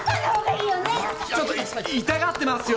ちょっと痛がってますよ。